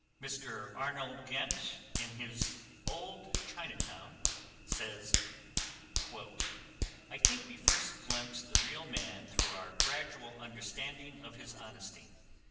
Mr. Arnold Genthe, in his Old Chinatown, says: "I think we first glimpsed the real man through our gradual understanding of his honesty.